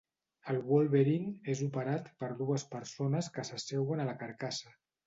El Wolverine és operat per dues persones que s'asseuen a la carcassa.